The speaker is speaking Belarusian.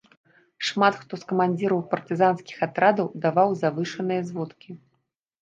Шмат хто з камандзіраў партызанскіх атрадаў даваў завышаныя зводкі.